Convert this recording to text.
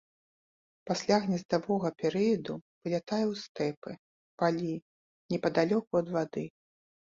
Пасля гнездавога перыяду вылятае ў стэпы, палі непадалёку ад вады.